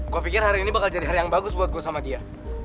gue pikir hari ini bakal jadi hari yang bagus buat gue sama dia